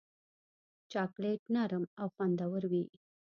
چاکلېټ نرم او خوندور وي.